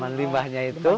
tanaman limbahnya itu